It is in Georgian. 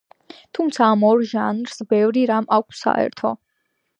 თუმცა, ამ ორ ჟანრს ბევრი რამ აქვს საერთო.